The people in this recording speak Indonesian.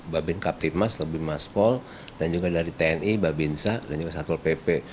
babin captim mas lebih mas pol dan juga dari tni babin sya dan juga satul pp